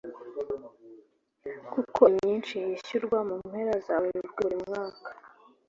kuko imyinshi yishyurwa mu mpera za Werurwe buri mwaka